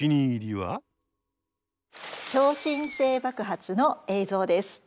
超新星爆発の映像です。